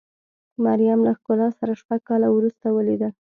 مریم له ښکلا سره شپږ کاله وروسته ولیدل.